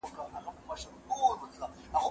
خداى دي دوى په اور پسې كړي